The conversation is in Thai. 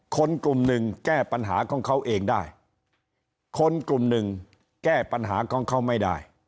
คนกลุ่มหนึ่งแก้ปัญหาของเขาเองได้คนกลุ่มหนึ่งแก้ปัญหาของเขาไม่ได้